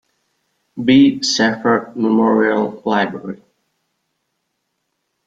B. Safford Memorial Library.